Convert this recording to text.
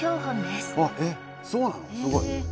すごい！